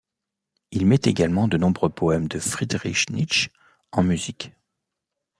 Il met également de nombreux poèmes de Friedrich Nietzsche en musique.